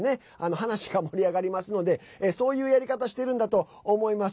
話が盛り上がりますのでそういうやり方してるんだと思います。